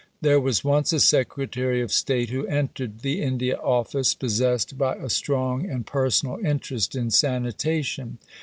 There was once a Secretary of State who entered the India Office possessed by a strong and personal interest in sanitation.